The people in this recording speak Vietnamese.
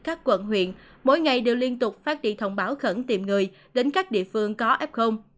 hà nội huyện mỗi ngày đều liên tục phát đi thông báo khẩn tiệm người đến các địa phương có f